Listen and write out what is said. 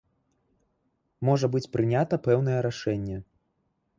Можа быць прынята пэўнае рашэнне.